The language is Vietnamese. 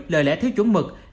lời lẽ thiếu chuẩn mực